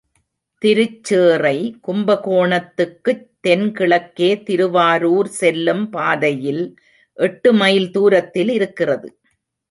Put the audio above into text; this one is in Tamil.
திருச்சேறை கும்பகோணத்துக்குத் தென்கிழக்கே திருவாரூர் செல்லும் பாதையில் எட்டு மைல் தூரத்தில் இருக்கிறது.